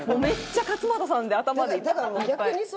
めっちゃ勝俣さんで頭がいっぱい。